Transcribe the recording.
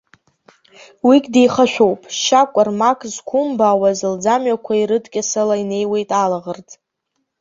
Уигь деихашәуп, шьа-кәармак зқәумбаауа лӡамҩақәа ирыдкьасала инеиуеит алаӷырӡ.